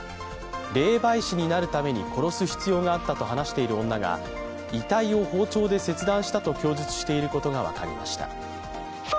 霊媒師になるために殺す必要があったと話している女が遺体を包丁で切断したと供述していることが分かりました。